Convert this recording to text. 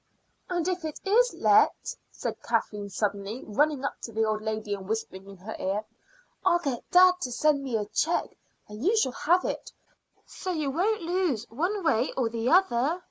"And if it is let," said Kathleen suddenly, running up to the old lady and whispering in her ear, "I'll get Dad to send me a cheque, and you shall have it, so you won't lose one way or the other."